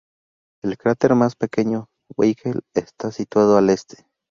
El cráter más pequeño Weigel está situado al este.